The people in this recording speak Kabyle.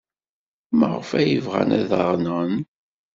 Maɣef ay bɣan ad aɣ-nɣen?